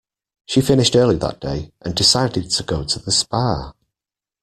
She finished early that day, and decided to go to the spa.